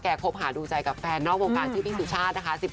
คบหาดูใจกับแฟนนอกวงการชื่อพี่สุชาตินะคะ